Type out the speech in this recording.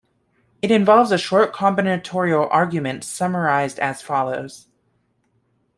It involves a short combinatorial argument, summarised as follows.